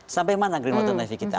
sampai mana greenwater navy kita